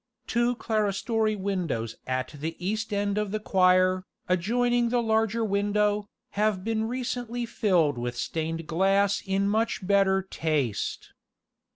Two clerestory windows at the east end of the choir, adjoining the larger window, have been recently filled with stained glass in much better taste.